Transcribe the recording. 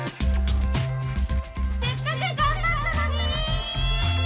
「せっかく頑張ったのに！」。